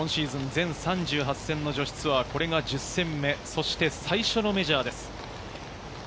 全３８戦の女子ツアー、これが１０戦目、そして最初のメジャーです。